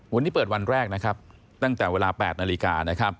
วันนี้เปิดวันแรกนะครับตั้งแต่เวลา๘นาฬิกานะครับ